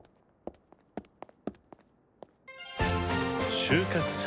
収穫祭。